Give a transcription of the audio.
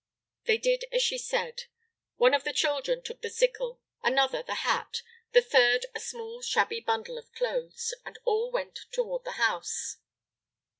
They did as she said. One of the children took the sickle, another the hat, the third a small shabby bundle of clothes, and all went toward the house.